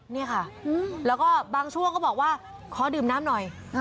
นี่ค่ะแล้วก็บางช่วงก็บอกว่าขอดื่มน้ำหน่อย